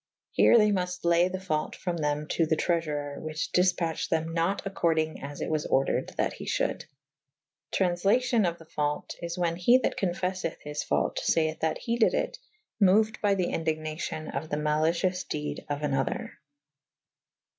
Here they muft ley the faut from them to the treafourer / which difpatched them nat accordyng / as it was ordeyned that he f hulde. Tra^iflacion of the faut is / whan he that co«feffeth his faut fayeth that he dyd it : moued by the indignacion of the malycyoufe dede of an other.